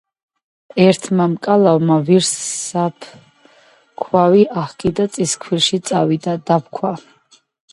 ერთმა მკალავმა ვირს საფქვავი აჰკიდა წისქვილში წავიდა, დაფქვა.